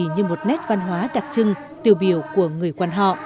như một nét văn hóa đặc trưng tiêu biểu của người quan họ